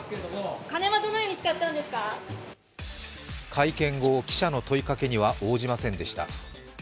会見後、記者の問いかけには応じませんでした。